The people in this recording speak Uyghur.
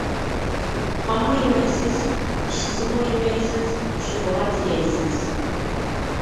خاممۇ يېمەيسىز، پىشسىمۇ يېمەيسىز، پىشۇرغاچ يەيسىز.